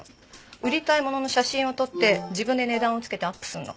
売りたいものの写真を撮って自分で値段をつけてアップするの。